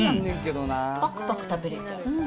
ぱくぱく食べれちゃう。